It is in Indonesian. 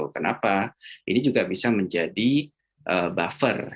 kenapa ini juga bisa menjadi buffer